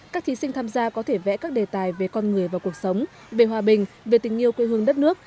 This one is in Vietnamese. các thí sinh tham gia có thể vẽ các đề tài về con người và cuộc sống về hòa bình về tình yêu quê hương đất nước